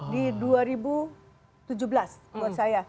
di dua ribu tujuh belas buat saya